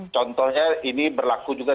contohnya ini berlaku juga